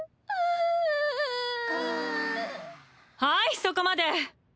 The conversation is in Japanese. はいそこまで。